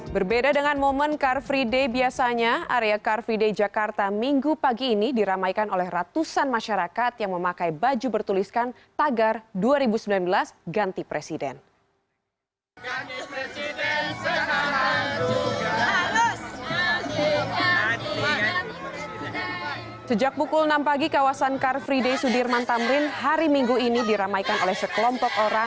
berbeda dengan momen car free day biasanya area car free day jakarta minggu pagi ini diramaikan oleh ratusan masyarakat yang memakai baju bertuliskan tagar dua ribu sembilan belas ganti presiden